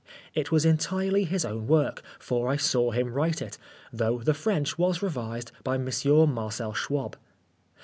It was entirely his own work, for I saw him write it, though the French was revised by M. Marcel Schwob.